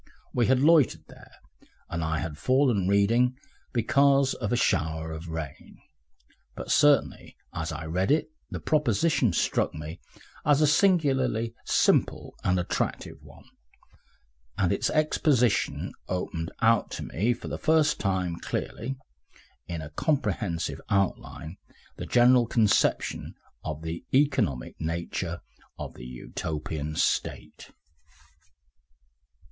We had loitered there, and I had fallen reading because of a shower of rain.... But certainly as I read it the proposition struck me as a singularly simple and attractive one, and its exposition opened out to me for the first time clearly, in a comprehensive outline, the general conception of the economic nature of the Utopian State.